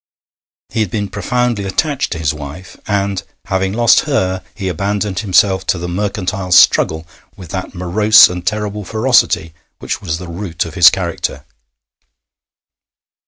He had been profoundly attached to his wife, and, having lost her he abandoned himself to the mercantile struggle with that morose and terrible ferocity which was the root of his character.